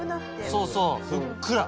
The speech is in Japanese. そうそうふっくら。